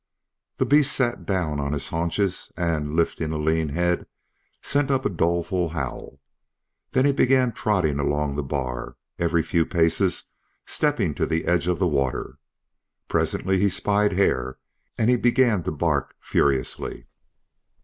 The beast sat down on his haunches and, lifting a lean head, sent up a doleful howl. Then he began trotting along the bar, every few paces stepping to the edge of the water. Presently he spied Hare, and he began to bark furiously.